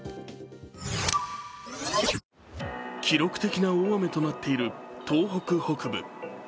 記録的な大雨となっている東北北部。